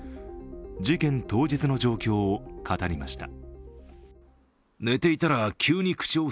事件当日の状況を語りました。